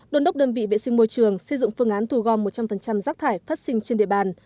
đồn đốc đơn vị vệ sinh môi trường xây dựng phương án thù gom một trăm linh rác thải phát sinh trên địa bàn